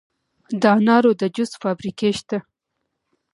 د انارو د جوس فابریکې شته.